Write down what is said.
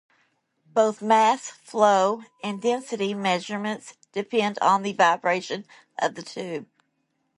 Both mass flow and density measurements depend on the vibration of the tube.